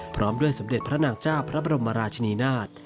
พร้อมด้วยสมเด็จพระนางเจ้าพระบรมราชนีนาฏ